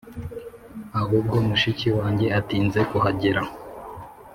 Ahubwo mushiki wange atinze kuhagera